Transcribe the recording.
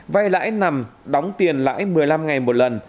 vay lãi nằm đóng tiền lãi một mươi năm ngày một lần